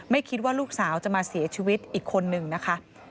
คิดว่าลูกสาวจะมาเสียชีวิตอีกคนนึงนะคะ